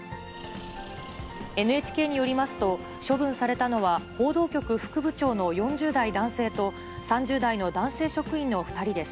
ＮＨＫによりますと、処分されたのは、報道局副部長の４０代男性と、３０代の男性職員の２人です。